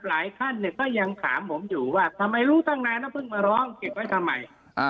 หลายท่านก็ยังขอบผมอยู่ว่าทำไมลูกตั้งน้ายล็อลเก็บไว้ทำไม